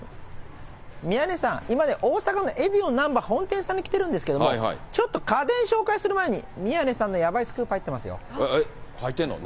宮根さん、今は大阪のエディオン本店さんに来てるんですけど、ちょっと家電紹介する前に、宮根さんのやばいスクープ入ってますよ。